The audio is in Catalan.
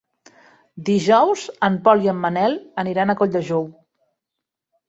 Dijous en Pol i en Manel aniran a Colldejou.